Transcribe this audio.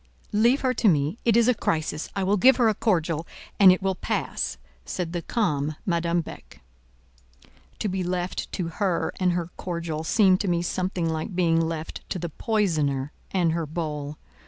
"Leave her to me; it is a crisis: I will give her a cordial, and it will pass," said the calm Madame Beck. To be left to her and her cordial seemed to me something like being left to the poisoner and her bowl.